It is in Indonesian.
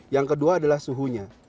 yang kedua adalah suhunya